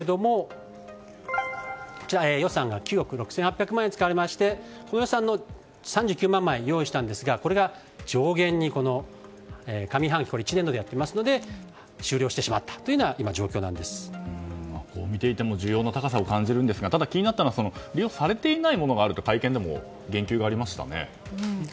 そして今年度なんですが予算が９億６８００万円使われまして３９万枚を用意したんですが上半期１年度でやっていますので終了してしまったという見ていても需要の高さを感じるんですがただ、気になったのは利用されていないものがあると会見でも言及がありましたね。